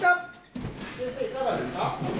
先生いかがですか？